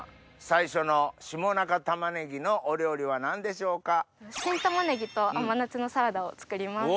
最初の下中たまねぎのお料理は何でしょうか？を作ります。